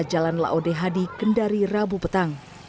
jalan laodehadi kendari rabu petang